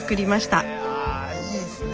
あいいですね